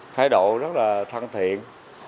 thái độ rất là thân thiện